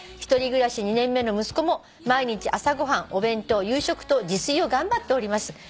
「１人暮らし２年目の息子も毎日朝ご飯お弁当夕食と自炊を頑張っております」